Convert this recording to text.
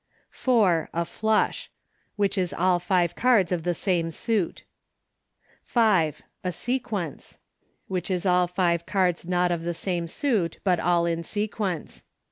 4. A Flush — Which is all five cards of the same suit. 5. A Sequence* — Which is all five cards not of the same suit but all in sequence.